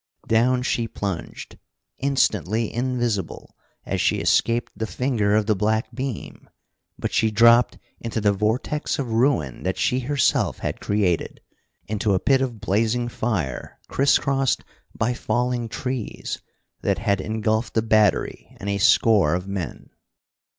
Down she plunged, instantly invisible as she escaped the finger of the black beam; but she dropped into the vortex of ruin that she herself had created. Into a pit of blazing fire, criss crossed by falling trees, that had engulfed the battery and a score of men.